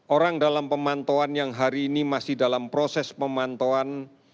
orang dalam pemantauan yang hari ini masih dalam proses pemantauan